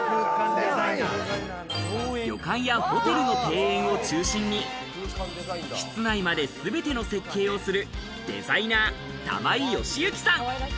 旅館やホテルの庭園を中心に、室内まで全ての設計をするデザイナー・玉井禎晋さん。